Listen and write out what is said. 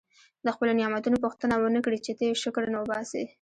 د خپلو نعمتونو پوښتنه ونه کړي چې ته یې شکر نه وباسې.